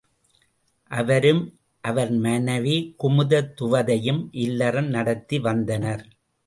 அவரும் அவர் மனைவி குமுததுவதையும் இல்லறம் நடத்தி வந்தனர்.